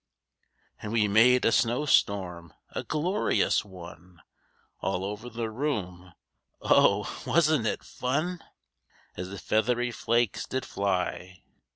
And we made a snowstorm, a glorious one, All over the room. Oh! wasn't it fun, As the feathery flakes did fly!